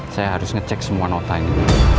saya harus ngecek semua notanya